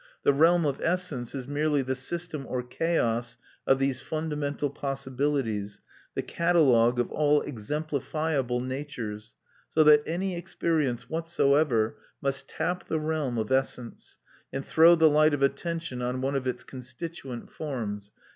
The realm of essence is merely the system or chaos of these fundamental possibilities, the catalogue of all exemplifiable natures; so that any experience whatsoever must tap the realm of essence, and throw the light of attention on one of its constituent forms.